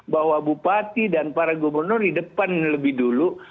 bahwa bupati dan para gubernur di depan lebih dulu